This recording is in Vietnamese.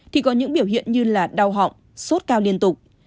thì có những biểu hiện như là đau họng sốt cao liên tục